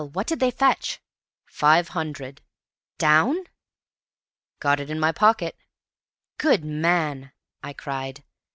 What did they fetch?" "Five hundred." "Down?" "Got it in my pocket." "Good man!" I cried.